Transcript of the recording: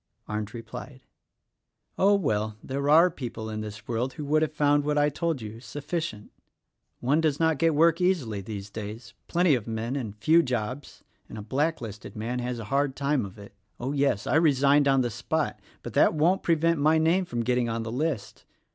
Arndt replied, "Oh, well, there are people in this world who would have found what I have told you, sufficient. One does not get work easily these days— plenty of men and few jobs — and a black listed man has a hard time of it. Oh, yes! I resigned on the spot — but that won't prevent my name getting on the list.